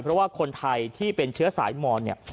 เพราะว่าคนไทยที่เป็นเชื้อสายมอนเนี่ย